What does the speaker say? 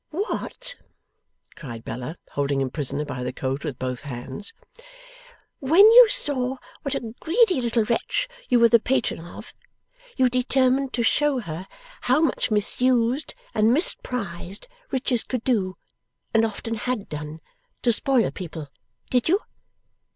'What?' cried Bella, holding him prisoner by the coat with both hands. 'When you saw what a greedy little wretch you were the patron of, you determined to show her how much misused and misprized riches could do, and often had done, to spoil people; did you?